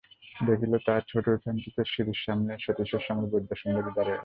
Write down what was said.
দেখিল, তাহার ছোটো উঠানটিতে সিঁড়ির সামনেই সতীশের সঙ্গে বরদাসুন্দরী দাঁড়াইয়া আছেন।